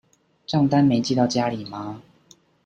帳單沒寄到家裡嗎？